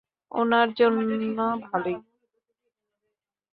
উনার জন্য ভালোই।